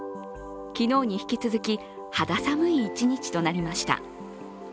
昨日に引き続き、肌寒い一日となりました。